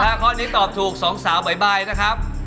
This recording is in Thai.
ถ้าข้อนี้ตอบถูกสองสาวบ๊ายบายนะครับ